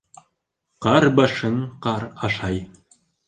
Ҡар башын ҡар ашай